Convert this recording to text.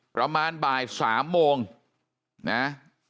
ประมาณบ่าย๓โมงนะ